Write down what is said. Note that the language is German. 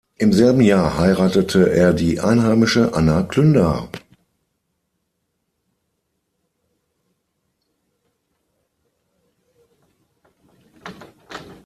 Im selben Jahr heiratete er die einheimische Anna Klünder.